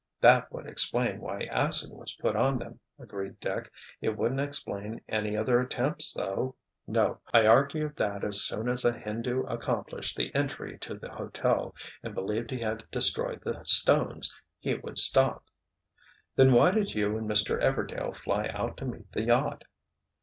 "That would explain why acid was put on them," agreed Dick. "It wouldn't explain any other attempts, though." "No! I argued that as soon as a Hindu accomplished the entry to the hotel and believed he had destroyed the stones, he would stop." "Then why did you and Mr. Everdail fly out to meet the yacht?"